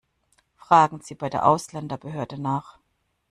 Fragen Sie bei der Ausländerbehörde nach!